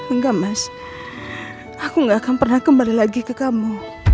enggak mas aku gak akan pernah kembali lagi ke kamu